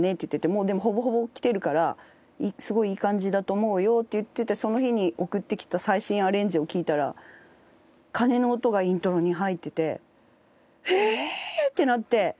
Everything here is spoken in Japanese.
「もうでもほぼほぼきてるからすごいいい感じだと思うよ」って言ってたその日に送ってきた最新アレンジを聴いたら鐘の音がイントロに入ってて「ええー！」ってなって。